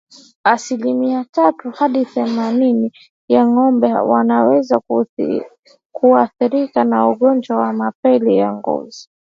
Asilimia tatu hadi themanini ya ngombe wanaweza kuathirika na ugonjwa wa mapele ya ngozi